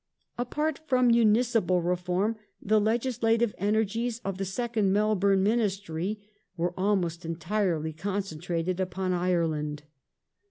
Apart from Municipal Reform the legislative energies of the second Melbourne Ministry were almost entirely concentrated upon Ireland.